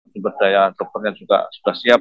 sumber daya dokternya juga sudah siap